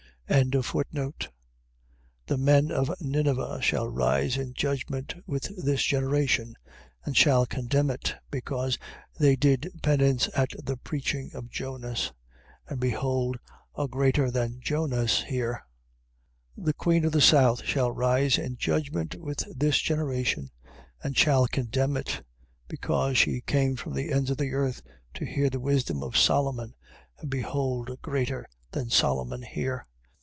12:41. The men of Ninive shall rise in judgment with this generation, and shall condemn it: because they did penance at the preaching of Jonas. And behold a greater than Jonas here. 12:42. The queen of the south shall rise in judgment with this generation, and shall condemn it: because she came from the ends of the earth to hear the wisdom of Solomon, and behold a greater than Solomon here.